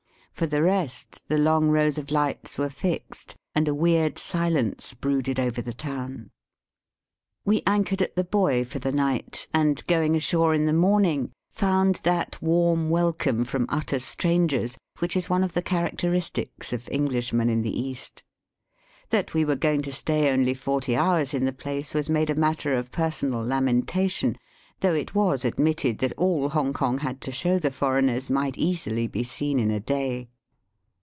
For the rest, the long rows of lights were fixed, and a weird silence brooded Over the town. Digitized by VjOOQIC 112 EAST BY WEST. We anchored at the buoy for the night, and going ashore in the morning found that warm welcome from utter strangers which is one of the characteristics of Englishmen in the East. That we were going to stay only forty hours in the place was made a matter of personal lamentation, though it was ad mitted that all Hongkong had to show the foreigners might easily be seen in a day.